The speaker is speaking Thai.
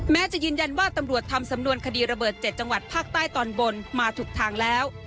แม้จะยืนยันว่าตำรวจทำสำนวนคดีระเบิด๗จังหวัดภาคใต้ตอนบนมาถูกทางแล้ว